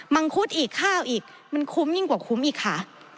ังคุดอีกข้าวอีกมันคุ้มยิ่งกว่าคุ้มอีกค่ะ